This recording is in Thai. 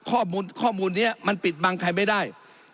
ข้อมูลข้อมูลนี้มันปิดบังใครไม่ได้